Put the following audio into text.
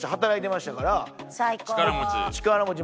力持ち。